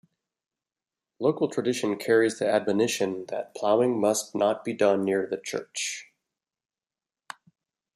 Local tradition carries the admonition that plowing must not be done near the church.